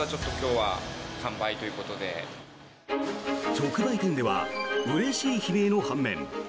直売店ではうれしい悲鳴の半面